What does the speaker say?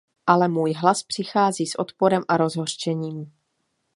Ale můj hlas přichází s odporem a rozhořčením.